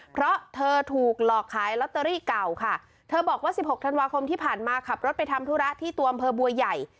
เพราะเธอถูกหลอกขายลอตเตอรี่เก่าค่ะเธอบอกว่าสิบหกธันวาคมที่ผ่านมาขับรถไปทำธุระที่ตัวอำเภอบัวใหญ่